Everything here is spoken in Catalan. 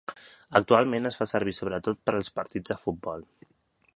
Actualment es fa servir sobretot per als partits de futbol.